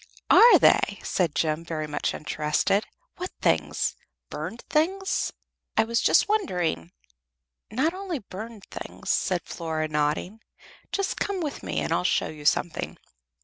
"Are they?" said Jem, very much interested. "What things? Burned things? I was just wondering " "Not only burned things," said Flora, nodding. "Just come with me and I'll show you something."